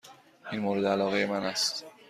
این مورد علاقه من است.